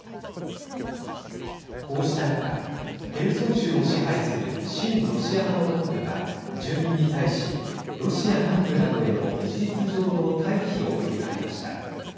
こうした中ヘルソン州を支配する親ロシア派のトップが住民に対しロシア南部などへの事実上の退避を呼びかけました。